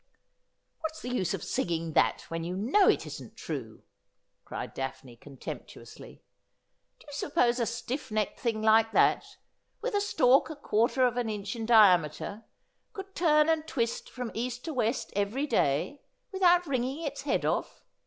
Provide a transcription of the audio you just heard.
' What's the use of singing that when you know it isn't true ?' cried Daphne contemptuously. ' Do you suppose a stiff necked thing like that, with a stalk a quarter of an inch in diameter, could turn and twist from east to west every day, without wring ing its head off